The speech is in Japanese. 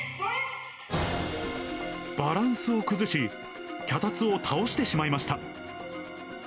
バランスを崩し、脚立を倒してしまいました。